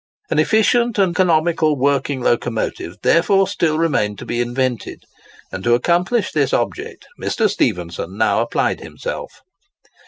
An efficient and economical working locomotive, therefore, still remained to be invented; and to accomplish this object Mr. Stephenson now applied himself.